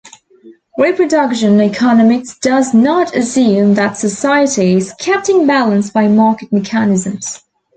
Reproduction economics does not assume that society is kept in balance by market mechanisms.